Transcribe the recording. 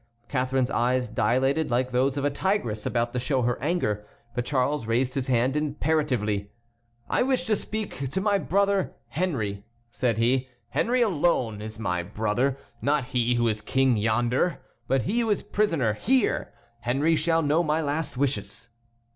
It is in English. Catharine's eyes dilated like those of a tigress about to show her anger. But Charles raised his hand imperatively. "I wish to speak to my brother Henry," said he. "Henry alone is my brother; not he who is king yonder, but he who is a prisoner here. Henry shall know my last wishes."